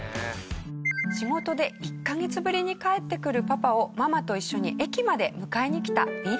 仕事で１カ月ぶりに帰ってくるパパをママと一緒に駅まで迎えに来たビリー君。